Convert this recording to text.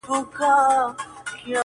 د زنده گۍ ياري كړم!